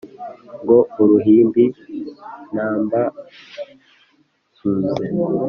ngo uruhimbi numberszuze